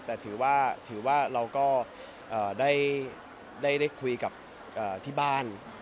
แต่ถือว่าเราก็ได้คุยกับที่บ้าน